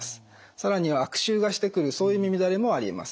更には悪臭がしてくるそういう耳だれもありえます。